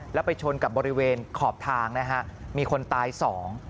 แล้วไปชนกับบริเวณขอบทางนะฮะมีคนตายสอง